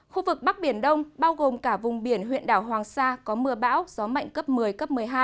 khu vực bắc biển đông bao gồm cả vùng biển huyện đảo hoàng sa có mưa bão gió mạnh cấp một mươi cấp một mươi hai